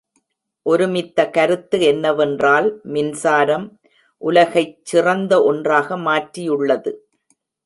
ஒருமித்த கருத்து என்னவென்றால், மின்சாரம் உலகைச் சிறந்த ஒன்றாக மாற்றியுள்ளது.